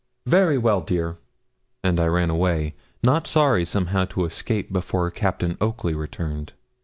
'Very well, dear.' And away I ran, not sorry somehow to escape before Captain Oakley returned.